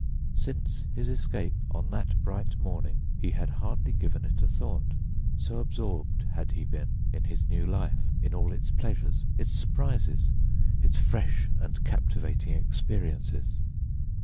Since his escape on that bright morning he had hardly given it a thought, so absorbed had he been in his new life, in all its pleasures, its surprises, its fresh and captivating experiences.